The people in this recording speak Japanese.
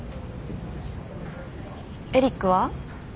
エリックは？